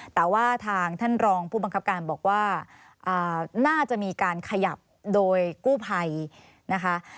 แต่ว่าทางท่านรองผู้บังคับการบอกว่าน่าจะมีการขยับโดยกู้ภัยนะคะ